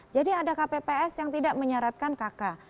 jadi ada kpps yang tidak menyeratkan kakak